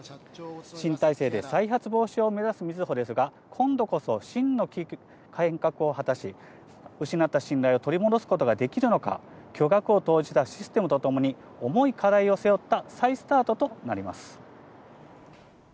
新体制で再発防止を目指すみずほですが、今度こそ真の変革を果たし、失った信頼を取り戻すことができるのか、巨額を投じたシステムとともに、重い課題を背負った再スタートとなります。